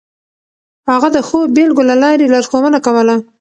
هغه د ښو بېلګو له لارې لارښوونه کوله.